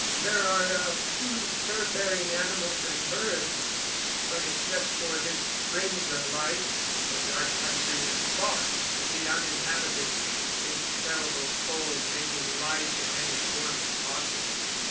There are a few fur bearing animals and birds, but except for this fringe of life the Dark Country is thought to be uninhabited, its terrible cold making life in any form impossible.